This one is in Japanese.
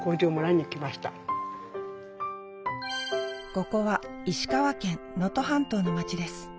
ここは石川県能登半島の町です。